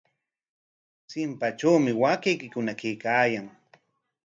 Chimpatrawmi waakaykikuna kaykaayan.